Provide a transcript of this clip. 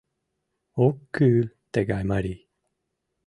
Ок кӱл тыгай марий.